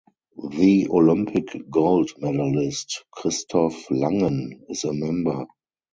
The Olympic gold-medalist Christoph Langen is a member.